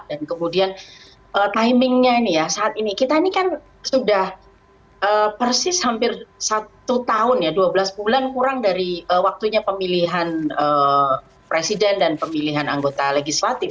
dan kemudian timingnya ini ya saat ini kita ini kan sudah persis hampir satu tahun ya dua belas bulan kurang dari waktunya pemilihan presiden dan pemilihan anggota legislatif